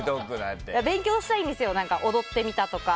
勉強したいんです踊ってみたとか。